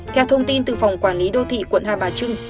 theo thông tin từ phòng quản lý đô thị quận hai bà trưng